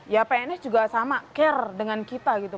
ya pns juga sama care dengan kita gitu